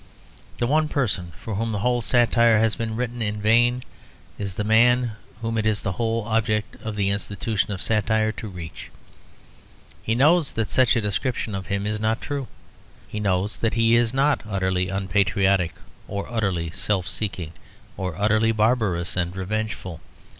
The one person for whom the whole satire has been written in vain is the man whom it is the whole object of the institution of satire to reach. He knows that such a description of him is not true. He knows that he is not utterly unpatriotic, or utterly self seeking, or utterly barbarous and revengeful.